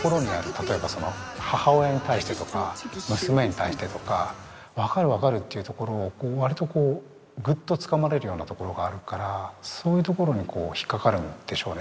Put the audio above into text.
例えばその母親に対してとか娘に対してとか分かる分かるっていうところをわりとこうグッとつかまれるようなところがあるからそういうところにこう引っかかるんでしょうね